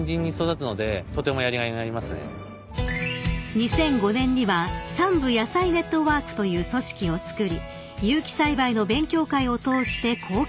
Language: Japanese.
［２００５年にはさんぶ野菜ネットワークという組織をつくり有機栽培の勉強会を通して後継者も育成］